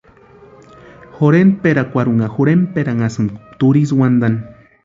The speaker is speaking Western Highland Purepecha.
Jorhenkwarhikwarhunha jorhentpʼeranhasïni turhisï wantani.